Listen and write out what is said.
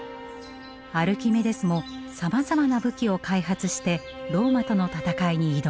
アルキメデスもさまざまな武器を開発してローマとの戦いに挑みます。